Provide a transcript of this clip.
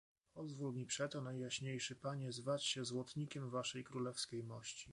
"Pozwól mi przeto, Najjaśniejszy Panie, zwać się złotnikiem Waszej królewskiej mości."